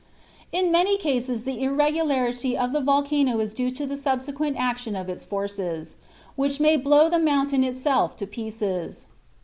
In many cases the irregularity of the volcano is due to subsequent action of its forces, which may blow the mountain itself to pieces.